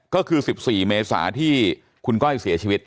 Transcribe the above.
ก็คือ๑๔เมษาที่คุณก้อยเสียชีวิต